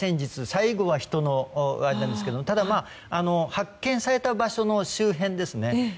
最後は人の手なんですけどただ発見された場所の周辺です。